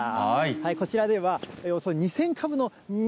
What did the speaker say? こちらでは、およそ２０００株の芽